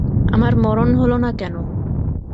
আমার মরণ হল না কেন?